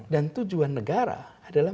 dan tujuan negara adalah